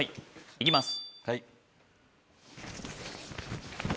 いきます。